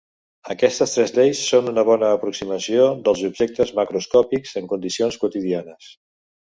Aquestes tres lleis són una bona aproximació dels objectes macroscòpics en condicions quotidianes.